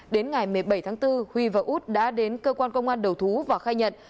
đến ngày một mươi bảy tháng bốn huy và út đã đến cơ quan công an đầu thú và khai nhận